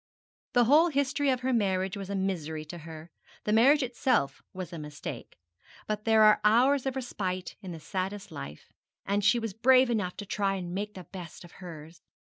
The whole history of her marriage was a misery to her; the marriage itself was a mistake; but there are hours of respite in the saddest life, and she was brave enough to try and make the best of hers.